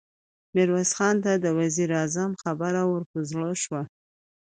ميرويس خان ته د وزير اعظم خبره ور په زړه شوه.